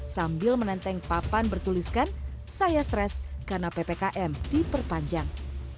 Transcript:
sambil menenteng papan bertuliskan saya stres karena ppkm diperpanjang